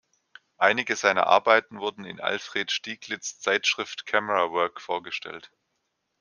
Einige seiner Arbeiten wurden in Alfred Stieglitz’ Zeitschrift "Camera Work" vorgestellt.